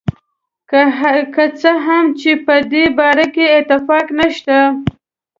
که څه هم چې په دې باره کې اتفاق نشته.